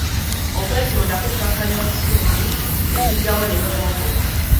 Okwetonda kukannya obusungu nekujjawo n'ennyombo.